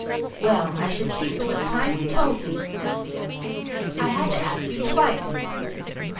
"Well, I should think 'twas time you told me," snapped the young woman. "I had to ask you twice."